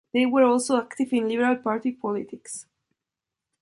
They were also active in Liberal party politics.